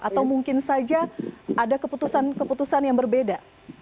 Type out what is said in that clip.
atau mungkin saja ada keputusan keputusan yang berbeda